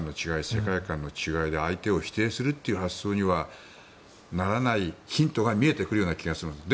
世界観の違いで相手を否定するという発想にはならないヒントが見えてくるような気がするんです。